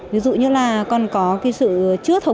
ví dụ như là còn có sự chưa thổng